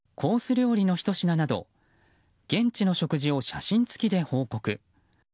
料理のひと品など現地の食事を写真付きで報告。